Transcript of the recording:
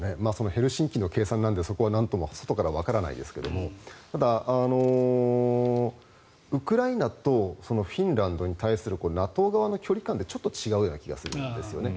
ヘルシンキの計算なのでそこはなんとも外からはわからないですけどもただ、ウクライナとフィンランドに対するＮＡＴＯ側の距離感ってちょっと違うような気がするんですよね。